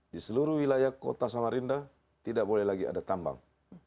di seluruh wilayah kota samarinda tidak boleh lagi ada tambang